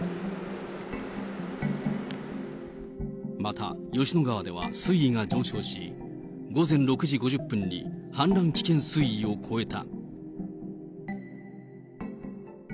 また、吉野川では、水位が上昇し、午前６時５０分に氾濫危険水位を超えた。